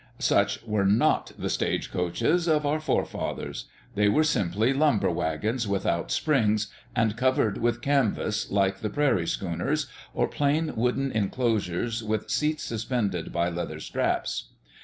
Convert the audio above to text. Such were not the stagecoaches of our forefathers; they were simply lumber wagons without springs and covered with canvas like the prairie schooners, or plain wooden enclosures with seats suspended by leather straps.